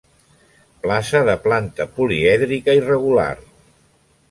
Plaça de planta polièdrica irregular.